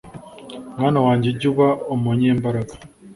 mwana wanjye ujye uba umunyembaraga